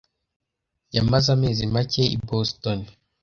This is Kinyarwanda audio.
yamaze amezi make i Boston.